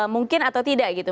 mungkin atau tidak gitu